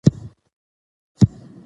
د خوراک پر مهال تلويزيون مه چلوئ.